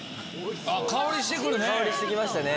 香りして来るね！